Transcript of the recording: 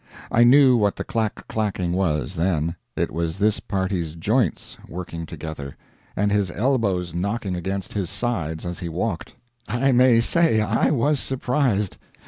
I knew what the clack clacking was then; it was this party's joints working together, and his elbows knocking against his sides as he walked. I may say I was surprised.